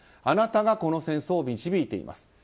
あなたがこの戦争を導いています。